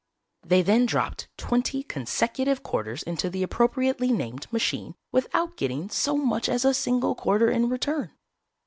They then dropped twenty consecutive quarters into the appropriately named machine without getting so much as a single quarter in return.